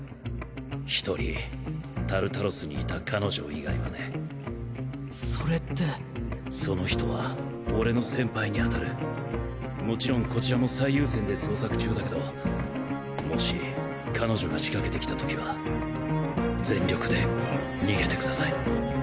１人タルタロスにいた彼女以外はねそれってその人は俺勿論こちらも最優先で捜索中だけどもし彼女が仕掛けてきた時は全力で逃げてください